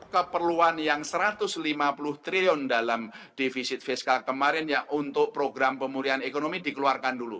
keperluan yang satu ratus lima puluh triliun dalam defisit fiskal kemarin ya untuk program pemulihan ekonomi dikeluarkan dulu